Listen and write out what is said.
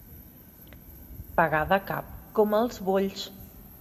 Pegar de cap com els bolls.